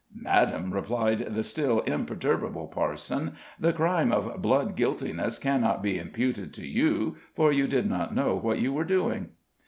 "Madame," replied the still imperturbable parson, "the crime of blood guiltiness cannot be imputed to you, for you did not know what you were doing."